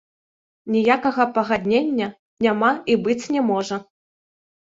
Ніякага пагаднення няма і быць не можа.